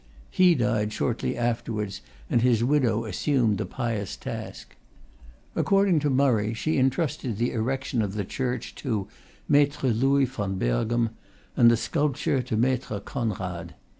He died shortly afterwards, and his widow assumed the pious task. According to Murray, she intrusted the erection of the church to "Maistre Loys von Berghem," and the sculpture to "Maistre Conrad."